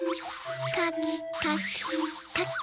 かきかきかき。